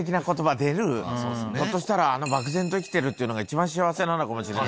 ひょっとしたらあの「漠然と生きてる」っていうのが一番幸せなのかもしれない。